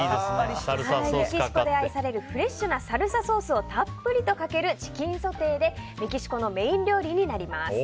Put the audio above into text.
メキシコで愛されるフレッシュなサルサソースをたっぷりとかけるチキンソテーでメキシコのメイン料理になります。